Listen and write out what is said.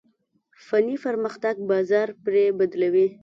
فني پرمختګ بازار پرې بدلوي.